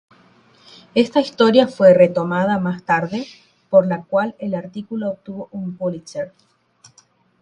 Esta historia fue retomada más tarde, por la cual el artículo obtuvo un Pulitzer.